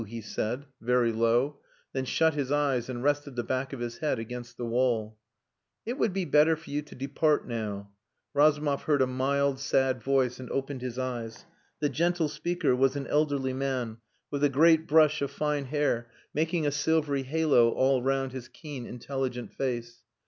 he said, very low, then shut his eyes, and rested the back of his head against the wall. "It would be better for you to depart now." Razumov heard a mild, sad voice, and opened his eyes. The gentle speaker was an elderly man, with a great brush of fine hair making a silvery halo all round his keen, intelligent face.